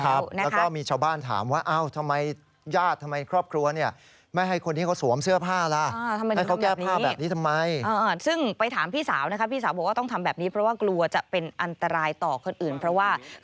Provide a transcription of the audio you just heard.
แล้วก็มีชาวบ้านถามว่าทำไมญาติทำไมครอบครัว